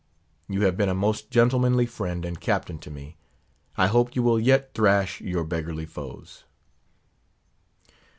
You have been a most gentlemanly friend and captain to me. I hope you will yet thrash your beggarly foes."